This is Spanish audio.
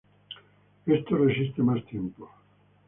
Esto resiste más tiempo.